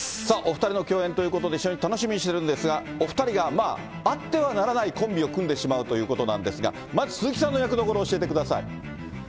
さあ、お２人の共演ということで、一緒に楽しみにしてるんですが、お２人が、あってはならないコンビを組んでしまうということなんですが、まず鈴木さんの役どころを教えてください。